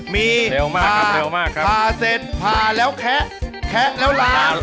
มีพาเสร็จพาแล้วแคะแคะแล้วล้าง